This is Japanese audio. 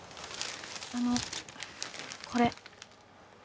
あのこれ。